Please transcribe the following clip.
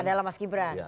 adalah mas gibran